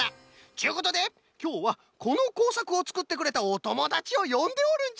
ちゅうことできょうはこのこうさくをつくってくれたおともだちをよんでおるんじゃ！